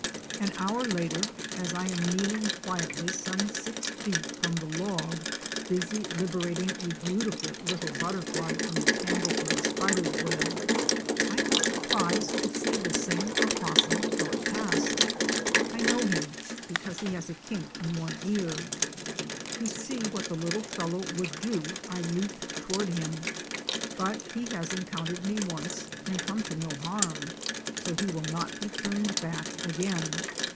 An hour later as I am kneeling quietly some six feet from the log, busy liberating a beautiful little butterfly from the tangle of a spider's web, I am surprised to see the same opossum trot past. JI know him because he has a kink in one ear. To see what the little fellow would do I leap toward him, but he has encountered me once and come to no harm, so he will not be turned back again.